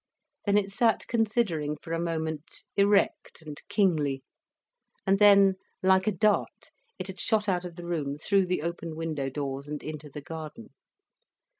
Then it sat considering for a moment, erect and kingly. And then, like a dart, it had shot out of the room, through the open window doors, and into the garden.